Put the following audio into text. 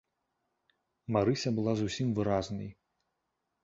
Марыся была зусім выразнай.